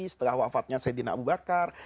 setelah wafatnya sayyidina abu bakar